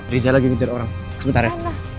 rizal lagi ngejar orang sebentar ya